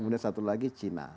kemudian satu lagi china